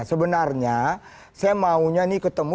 sebenarnya saya maunya ketemu